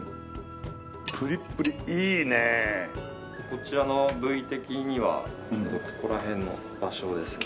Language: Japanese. こちらの部位的にはここら辺の場所ですね。